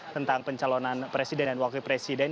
tentang pencalonan presiden dan wakil presiden